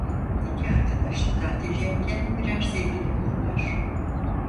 İki arkadaş da tatildeyken birer sevgili bulurlar.